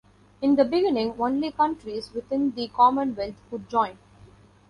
In the beginning, only countries within the commonwealth could join.